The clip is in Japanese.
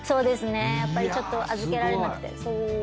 やっぱりちょっと預けられなくて。